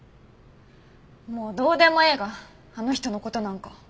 もうどうでもええがあの人の事なんか。